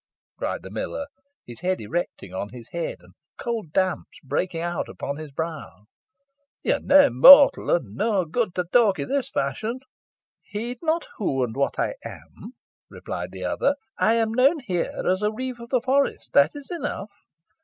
cried the miller, his hair erecting on his head, and cold damps breaking out upon his brow. "Yo are nah mortal, an nah good, to tawk i' this fashion." "Heed not who and what I am," replied the other; "I am known here as a reeve of the forest that is enough.